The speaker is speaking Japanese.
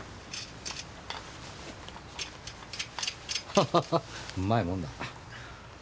ハハハ上手いもんだ。